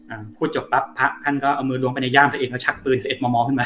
อ่าพูดจบปั๊บพระท่านก็เอามือล้วงไปในย่ามตัวเองก็ชักปืนสิบเอ็มมขึ้นมา